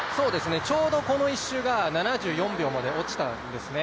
ちょうど、この１周が７４秒まで落ちたんですね。